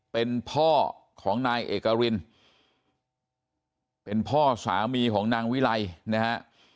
เป็นพ่อของนายเอกรินเป็นพ่อสามีของนางวิไลนะฮะ